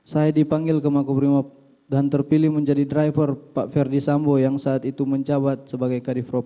saya dipanggil ke makobrimob dan terpilih menjadi driver pak verdi sambo yang saat itu menjabat sebagai kadifropa